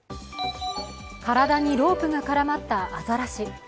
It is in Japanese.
体にロープが絡まったアザラシ。